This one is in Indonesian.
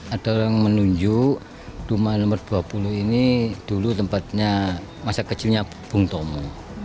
ada orang menunjuk rumah nomor dua puluh ini dulu tempatnya masa kecilnya bung tomo